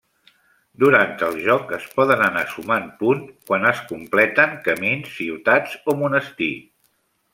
Durant el joc es poden anar sumant punt quan es completen camins, ciutats o monestir.